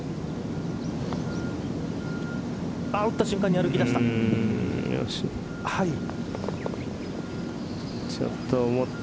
打った瞬間に歩き出した。